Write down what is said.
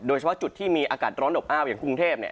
โดยเฉพาะจุดที่มีอากาศร้อนอบอ้าวอย่างกรุงเทพเนี่ย